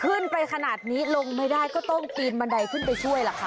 ขึ้นไปขนาดนี้ลงไม่ได้ก็ต้องปีนบันไดขึ้นไปช่วยล่ะค่ะ